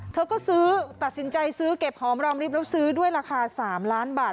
เธอก็ซื้อตัดสินใจซื้อเก็บหอมรอมริบแล้วซื้อด้วยราคา๓ล้านบาท